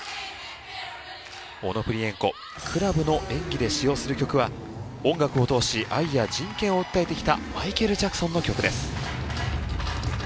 オノプリエンコクラブの演技で使用する曲は音楽を通し愛や人権を訴えてきたマイケル・ジャクソンの曲です。